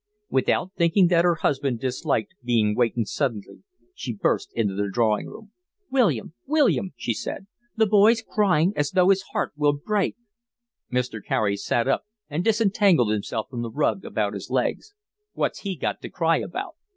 Without thinking that her husband disliked being wakened suddenly, she burst into the drawing room. "William, William," she said. "The boy's crying as though his heart would break." Mr. Carey sat up and disentangled himself from the rug about his legs. "What's he got to cry about?"